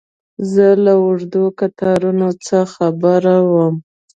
زه له اوږدو کتارونو څه خبر وم.